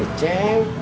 ya disini cek